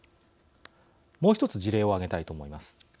もう一つ事例をあげたいと思います。